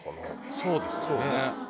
そうですね。